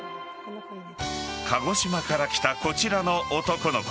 鹿児島から来たこちらの男の子。